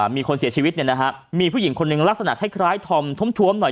มีคนเสียชีวิตมีผู้หญิงคนหนึ่งลักษณะคล้ายธอมท้วมหน่อย